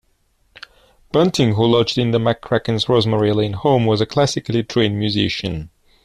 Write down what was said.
Bunting, who lodged in the McCracken's Rosemary Lane home, was a classically trained musician.